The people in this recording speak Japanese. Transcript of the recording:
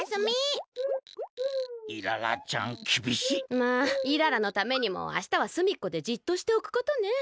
まあイララのためにもあしたはすみっこでじっとしておくことね。